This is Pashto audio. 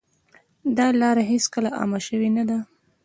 دا لاره هېڅکله عامه شوې نه ده.